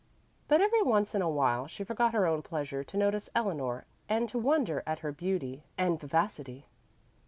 But every once in awhile she forgot her own pleasure to notice Eleanor and to wonder at her beauty and vivacity.